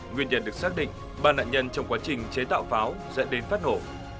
nguyên nhân được xác định ba nạn nhân trong quá trình chế tạo pháo dẫn đến phát nổ